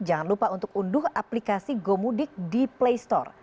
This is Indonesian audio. jangan lupa untuk unduh aplikasi gomudik di playstore